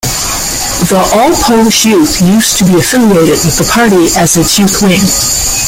The All-Polish Youth used to be affiliated with the party as its youth wing.